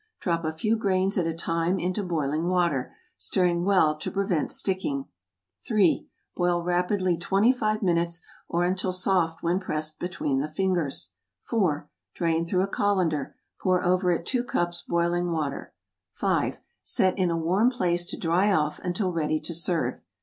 Drop a few grains at a time into boiling water, stirring well to prevent sticking. 3. Boil rapidly 25 minutes, or until soft when pressed between the fingers. 4. Drain through a colander. Pour over it 2 cups boiling water. 5. Set in a warm place to dry off, until ready to serve.